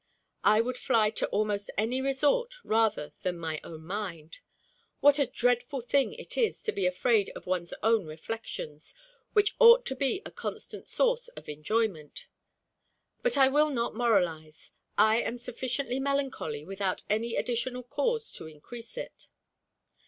I would fly to almost any resort rather than my own mind. What a dreadful thing it is to be afraid of one's own reflections, which ought to be a constant source of enjoyment! But I will not moralize. I am sufficiently melancholy without any additional cause to increase it.